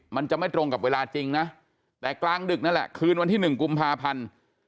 มันจะไม่ตรงกับเวลาจริงนะแต่กลางดึกนั่นแหละคืนวันที่๑กุมภาพันธ์